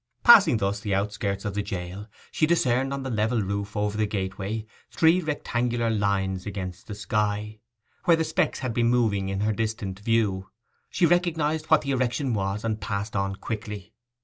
Passing thus the outskirts of the jail, she discerned on the level roof over the gateway three rectangular lines against the sky, where the specks had been moving in her distant view; she recognized what the erection was, and passed quickly on.